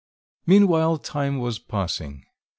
Meanwhile time was passing.